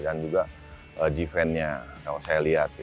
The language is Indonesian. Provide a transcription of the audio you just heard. dan juga defense nya kalau saya lihat